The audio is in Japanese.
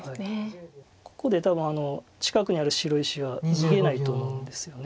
ここで多分近くにある白石は逃げないと思うんですよね。